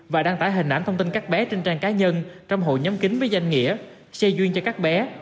và đăng tải hình ảnh thông tin các bé trên trang cá nhân trong hội nhóm kính với danh nghĩa xe duyên cho các bé